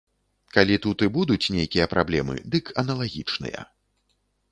Калі тут і будуць нейкія праблемы, дык аналагічныя.